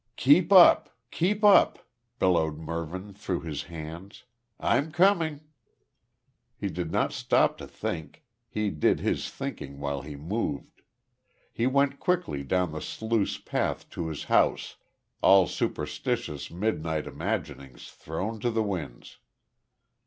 "Keep up keep up," bellowed Mervyn through his hands. "I'm coming." He did not stop to think, he did his thinking while he moved. He went quickly down the sluice path to his house, all superstitious midnight imaginings thrown to the winds.